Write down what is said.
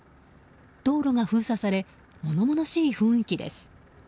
道路が封鎖され物々しい雰囲気です。